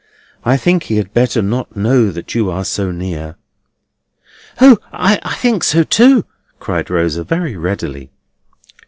I think he had better not know that you are so near." "O, I think so too!" cried Rosa very readily.